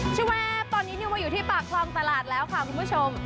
ชื่อว่าตอนนี้นิวมาอยู่ที่ปากคลองตลาดแล้วค่ะคุณผู้ชม